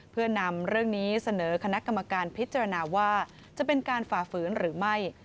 เพื่อนำเรื่องนี้เสนอคณะกรรมการพิจารณาว่าจะเป็นการฝ่าฝืนหรือไม่